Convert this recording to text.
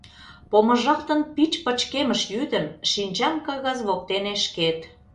Помыжалтын пич пычкемыш йӱдым, Шинчам кагаз воктене шкет.